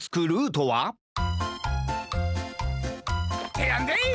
てやんでい！